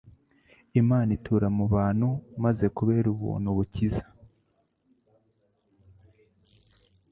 Imana itura mu bantu, maze kubera ubuntu bukiza,